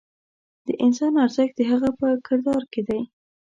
د انسان ارزښت د هغه په کردار کې دی.